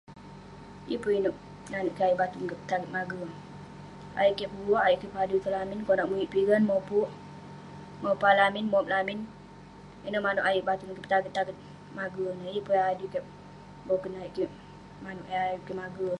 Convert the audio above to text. yeng pun inouk nanouk kik ayuk batong kik petaget mage..ayuk kik peguak, ayuk kik padui tong lamin, konak muwik pigan, mopuk, mopa lamin, mop lamin, ineh manouk ayuk batung kik petaget taget mage ineh..yeng pun eh adui kik boken, ayuk kik manouk eh ayuk kik mage